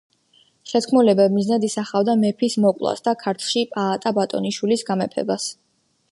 შეთქმულება მიზნად ისახავდა მეფის მოკვლას და ქართლში პაატა ბატონიშვილის გამეფებას.